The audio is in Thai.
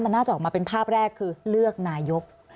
มันน่าจะออกมาเป็นภาพแรกคือเลือกนายก